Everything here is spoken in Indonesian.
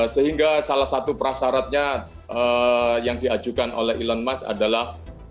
sehingga salah satu prasaratnya yang diajukan oleh elon musk adalah